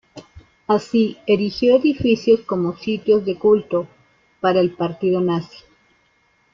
Así, erigió edificios como sitios de culto para el partido nazi.